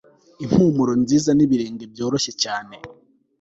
impumuro nziza n'ibirenge byoroshye cyane